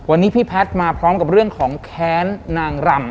วันนี้พี่แพทย์มาพร้อมกับเรื่องของแค้นนางรำ